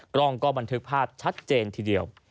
กล้องก็บันทึกภาพชัดเจนทีเดียว